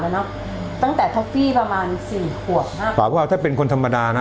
แล้วเนอะตั้งแต่ท็อฟฟี่ประมาณสี่ขวบมากฝากว่าถ้าเป็นคนธรรมดานะ